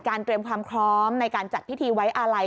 การเตรียมความครอบในการจัดพิธีไว้อะไร